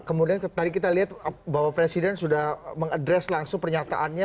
kemudian tadi kita lihat bahwa presiden sudah mengadres langsung pernyataannya